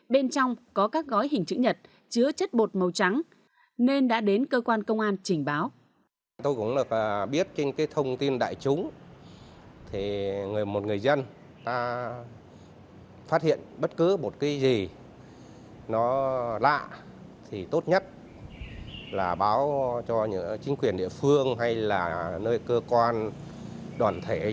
bên trong có các gói hình chữ nhật chứa chất bột màu trắng nên đã đến cơ quan công an trình báo